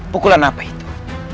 pukulan apa itu